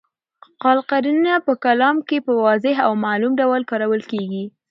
قال قرینه په کلام کي په واضح او معلوم ډول کارول کیږي.